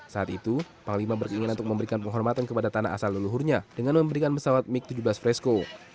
saat itu panglima berkeinginan untuk memberikan penghormatan kepada tanah asal leluhurnya dengan memberikan pesawat mig tujuh belas fresco